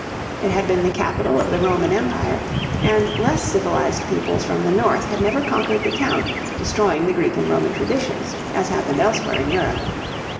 It had been the capital of the Roman Empire, and less civilized peoples from the north had never conquered the town, destroying the Greek and Roman traditions, as happened elsewhere in Europe.